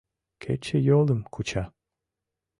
Кечыйолым куча.